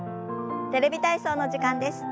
「テレビ体操」の時間です。